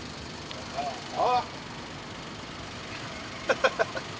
ハハハハ。